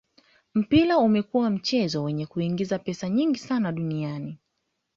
mpira umekua mchezo wenye kuingiza pesa nyingi sana duniani